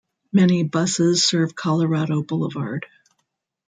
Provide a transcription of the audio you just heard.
Many buses serve Colorado Boulevard.